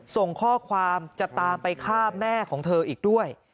ส่งข้อความจะตามไปฆ่าแม่ของเธออีกด้วย